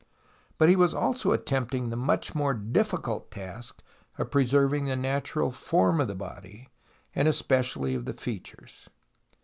But he was also attempting the much more difficult task of preserving the natural form of the body, and especially of the features.